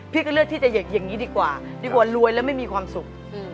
ก็เลือกที่จะอย่างนี้ดีกว่าดีกว่ารวยแล้วไม่มีความสุข